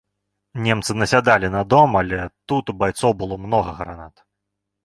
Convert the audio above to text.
Немцы насядалі на дом, але тут у байцоў было многа гранат.